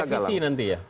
oh ada revisi nanti ya